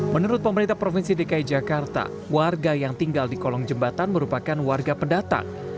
menurut pemerintah provinsi dki jakarta warga yang tinggal di kolong jembatan merupakan warga pendatang